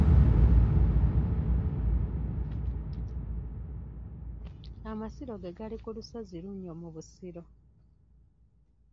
Amasiro ge gali ku lusozi Lunnyo mu Busiro.